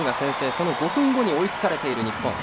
その５分後に追いつかれている日本。